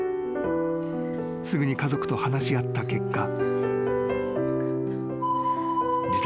［すぐに家族と話し合った結果］